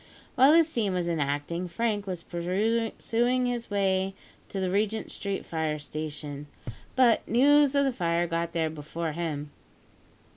While this scene was enacting Frank was pursuing his way to the Regent Street Fire Station; but news of the fire got there before him.